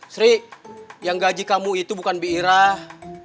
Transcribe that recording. sri yang gaji kamu itu bukan birah